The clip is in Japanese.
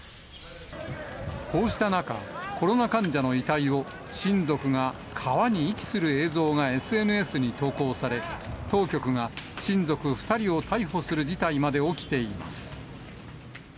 こうした中、コロナ患者の遺体を親族が川に遺棄する映像がＳＮＳに投稿され、当局が親族２人を逮捕する事態まで起きています。